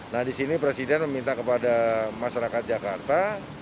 nah di sini presiden meminta kepada masyarakat jakarta